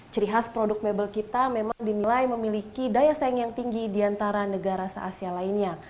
ciri khas produk mebel kita memang dinilai memiliki daya saing yang tinggi di antara negara se asia lainnya